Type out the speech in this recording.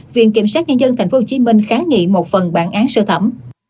viện kiểm sát nhân dân tp hcm kháng nghị một phần bản án sơ thẩm